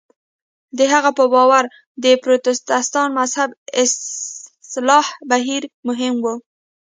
د هغه په باور د پروتستان مذهب اصلاح بهیر مهم و.